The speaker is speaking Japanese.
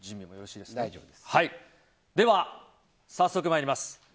では、早速参ります。